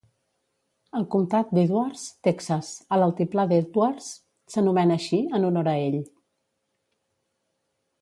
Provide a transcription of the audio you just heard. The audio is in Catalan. El comtat d'Edwards, Texas, a l'altiplà d'Edwards, s'anomena així en honor a ell.